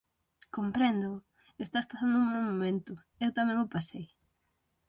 Compréndoo. Estás pasando un mal momento. Eu tamén o pasei.